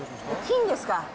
金ですか？